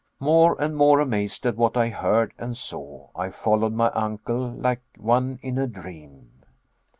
More and more amazed at what I heard and saw, I followed my uncle like one in a dream.